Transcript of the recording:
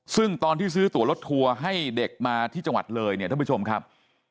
ซึ่งตอนที่ซื้อตัวรถทัวร์ให้เด็กมาที่จังหวัดเลยเนี่ยท่านผู้ชมครับ